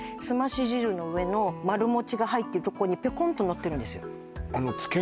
すまし汁の上の丸餅が入ってるとこにぴょこんとのってるんですよ